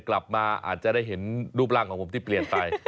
อาจจะได้เห็นรูปร่างของผมที่เปลี่ยนไป